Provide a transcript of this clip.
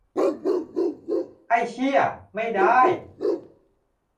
ไอ้เชี่ย ไม่ได้ !